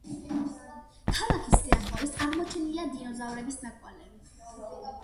ქალაქის სიახლოვეს აღმოჩენილია დინოზავრის ნაკვალევი.